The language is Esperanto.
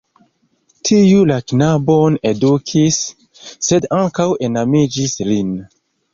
Tiu la knabon edukis, sed ankaŭ enamiĝis lin.